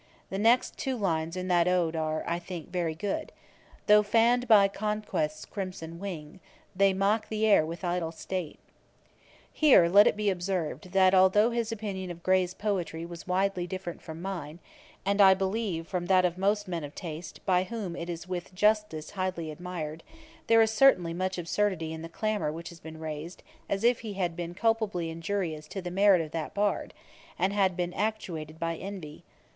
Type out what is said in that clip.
The two next lines in that Ode are, I think, very good: "Though fann'd by conquest's crimson wing, They mock the air with idle state."' [Page 404: Boswell opens his mind. A.D. 1763.] Here let it be observed, that although his opinion of Gray's poetry was widely different from mine, and I believe from that of most men of taste, by whom it is with justice highly admired, there is certainly much absurdity in the clamour which has been raised, as if he had been culpably injurious to the merit of that bard, and had been actuated by envy.